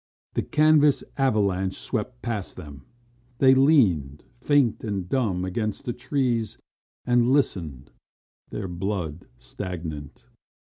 The canvas avalanche swept past them. They leaned, faint and dumb, against trees and listened, their blood stagnant.